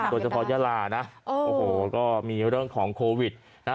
โดยเฉพาะยาลานะโอ้โหก็มีเรื่องของโควิดนะ